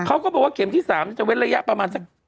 เขาก็บอกว่าเข็มที่๓จะเว้นระยะประมาณสัก